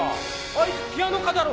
あいつピアノ科だろ！